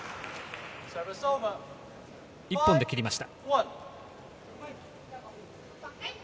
１分で切りました。